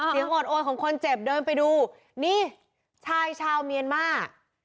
โอดโอยของคนเจ็บเดินไปดูนี่ชายชาวเมียนมาร์